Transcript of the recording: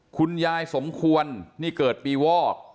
คุณยายสมควรนี่เกิดปีวอก